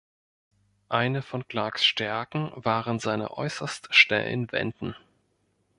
Eine von Clarks Stärken waren seine äußerst schnellen Wenden.